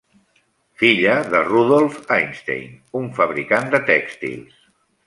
Filla de Rudolf Einstein, un fabricant de tèxtils.